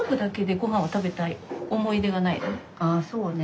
ああそうね。